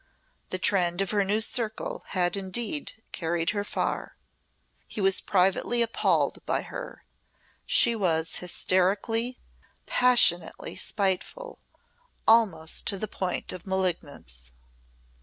The trend of her new circle had indeed carried her far. He was privately appalled by her. She was hysterically, passionately spiteful almost to the point of malignance.